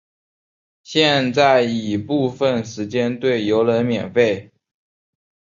现在已部分时间对游人免费。